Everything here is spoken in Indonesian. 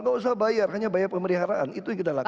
nggak usah bayar hanya bayar pemeliharaan itu yang kita lakukan